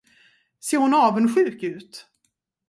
Ser hon avundsjuk ut?